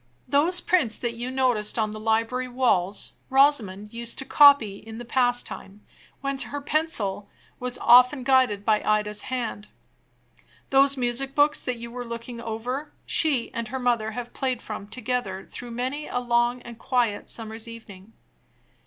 Those prints that you noticed on the library walls Rosamond used to copy in the past time, when her pencil was often guided by Ida's hand. Those music books that you were looking over, she and her mother have played from together through many a long and quiet summer's evening.